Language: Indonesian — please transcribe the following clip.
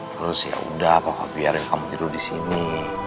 terus yaudah papa biarin kamu tidur disini